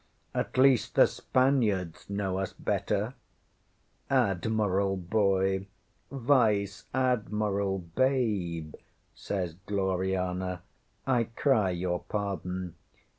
ŌĆ£At least the Spaniards know us better. ŌĆØ ŌĆśŌĆ£Admiral Boy Vice Admiral Babe, ŌĆØ says Gloriana, ŌĆ£I cry your pardon.